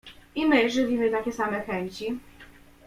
"I my żywimy takie same chęci."